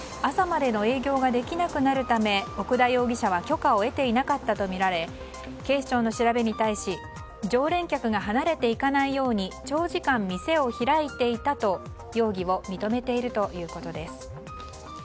朝までの営業はできなくなるため奥田容疑者は許可を得ていなかったとみられ警視庁の調べに対し常連客が離れていかないように長時間、店を開いていたと容疑を認めているということです。